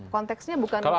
konteksnya bukan istimewaan